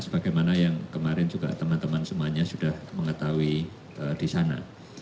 sebagaimana yang kemarin juga teman teman semuanya sudah mengetahui di sana